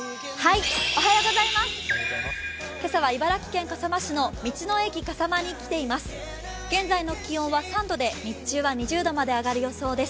今朝は茨城県笠間市の道の駅かさまに来ています。